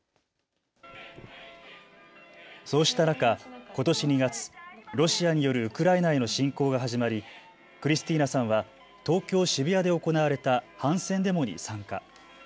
そうした中、ことし２月、ロシアによるウクライナへの侵攻が始まりクリスティーナさんは東京渋谷で行われた反戦デモに参加。